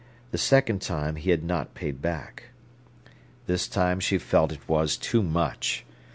The second time he had not paid back. This time she felt it was too much.